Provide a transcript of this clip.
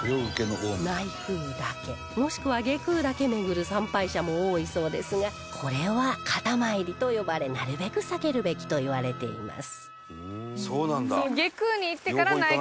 内宮だけもしくは外宮だけ巡る参拝者も多いそうですがこれは片参りと呼ばれなるべく避けるべきといわれています